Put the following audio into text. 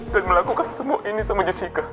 dan melakukan semua ini sama jessica